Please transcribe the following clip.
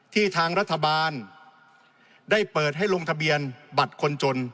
ทางรัฐบาลได้เปิดให้ลงทะเบียนบัตรคนจน